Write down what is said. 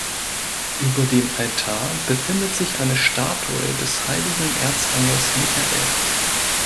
Über dem Altar befindet sich eine Statue des heiligen Erzengels Michael.